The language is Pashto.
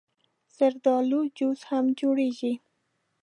زردالو جوس هم جوړېږي.